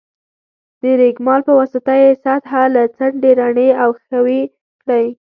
د رېګمال په واسطه یې سطحه او څنډې رڼې او ښوي کړئ.